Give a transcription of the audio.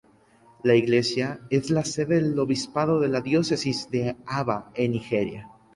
La iglesia es la sede del obispado de la diócesis de Aba en Nigeria.